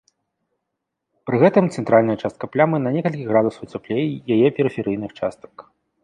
Пры гэтым цэнтральная частка плямы на некалькі градусаў цяплей яе перыферыйных частак.